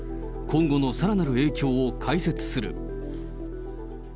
今後のさらなる影響を解説する。